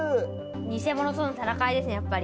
偽物との戦いですね、やっぱり。